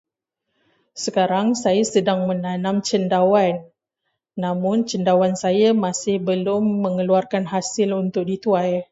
Sekarang, saya sedang menanam cendawan. Namun, cendawan saya masih belum mengeluarkan hasil untuk dituai.